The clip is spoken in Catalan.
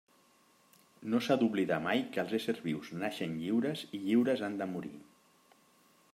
No s'ha d'oblidar mai que els éssers vius naixen lliures i lliures han de morir.